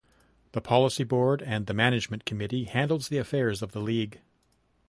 The Policy Board and the Management Committee handles the affairs of the league.